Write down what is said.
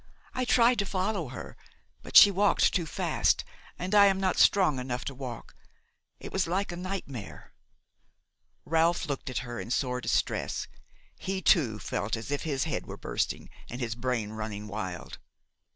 "I tried to follow her, but she walked too fast, and I am not strong enough to walk. It was like a nightmare." Ralph looked at her in sore distress. He too felt as if his head were bursting and his brain running wild.